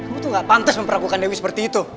kamu tuh gak pantas memperlakukan dewi seperti itu